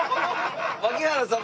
槙原さん